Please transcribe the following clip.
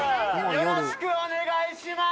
よろしくお願いします